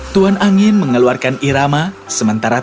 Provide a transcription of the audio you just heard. tuan angin mengeluarkan irama segera menanggapnya